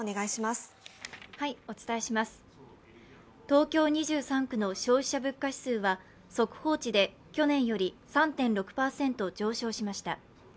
東京２３区の消費者物価指数は、速報値で去年より３．６％上昇しました。